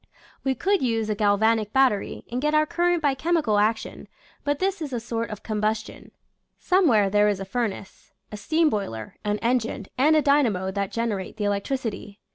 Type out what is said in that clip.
We could use a galvanic battery and get our current by chemical action, but this is a sort of combus tion. Somewhere there is a furnace — a steam boiler, an engine, and a dynamo that generate the electricity.